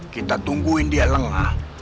kita tungguin dia lengah